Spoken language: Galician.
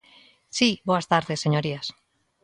Si, boas tardes, señorías.